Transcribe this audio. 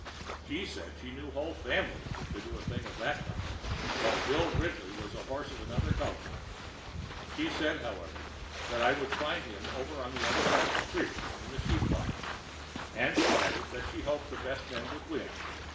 She said she knew whole families that could do a thing of that kind, but Bill Ridley was a horse of another color. She said, however, that I would find him over on the other side of the creek in the sheep lot; and she added that she hoped the best man would win.